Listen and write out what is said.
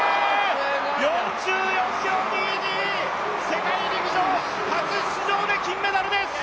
４４秒２２、世界陸上初出場で金メダルです！